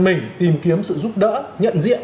mình tìm kiếm sự giúp đỡ nhận diện